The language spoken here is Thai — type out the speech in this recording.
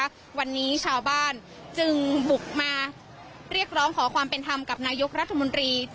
วันนี้ชาวบ้านจึงบุกมาเรียกร้องขอความเป็นธรรมกับนายกรัฐมนตรี